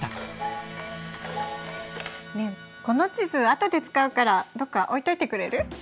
ねえこの地図後で使うからどっか置いといてくれる？